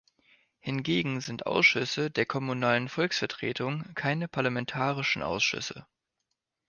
Hingegen sind Ausschüsse der kommunalen Volksvertretungen keine parlamentarischen Ausschüsse.